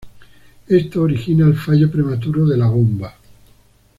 Esto origina el fallo prematuro de la bomba.